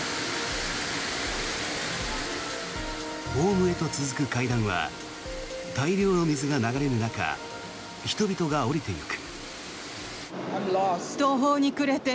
ホームへと続く階段は大量の水が流れる中人々が下りていく。